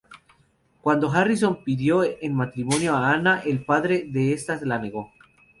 Cuando Harrison pidió en matrimonio a Anna, el padre de esta se la negó.